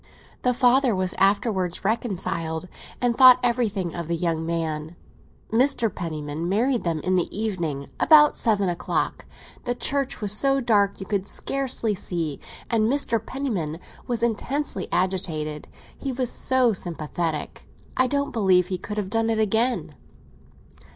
The father was afterwards reconciled, and thought everything of the young man. Mr. Penniman married them in the evening, about seven o'clock. The church was so dark, you could scarcely see; and Mr. Penniman was intensely agitated; he was so sympathetic. I don't believe he could have done it again."